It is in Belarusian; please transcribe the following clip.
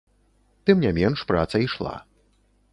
Тым не менш, праца ішла.